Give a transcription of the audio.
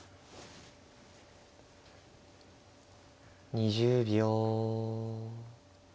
２０秒。